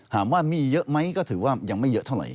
ถามว่ามีเยอะไหมก็ถือว่ายังไม่เยอะเท่าไห